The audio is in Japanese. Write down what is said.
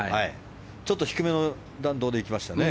ちょっと低めの弾道でいきましたね。